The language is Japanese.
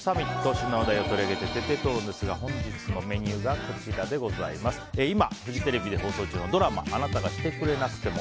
旬な話題を取り上げて徹底討論ですが本日のメニューは今、フジテレビで放送中のドラマ「あなたがしてくれなくても」。